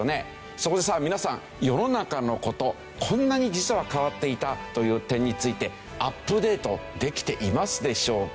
そこでさあ皆さん世の中の事こんなに実は変わっていたという点についてアップデートできていますでしょうか？